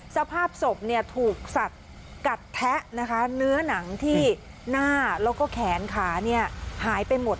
สภาพศพถูกสัตว์กัดแทะนะคะเนื้อหนังที่หน้าแล้วก็แขนขาหายไปหมด